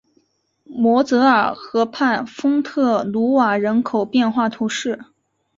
摩泽尔河畔丰特努瓦人口变化图示